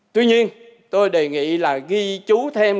tuy nhiên tôi đề nghị là ghi chú thêm